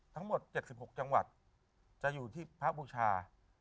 ทั้งหมด๗๖จังหวัดจะอยู่ที่พระบูชา